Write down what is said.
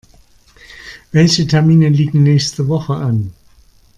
Welche Termine liegen nächste Woche an?